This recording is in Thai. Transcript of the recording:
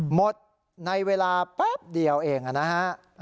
หมดในเวลาแป๊บเดียวเองนะฮะ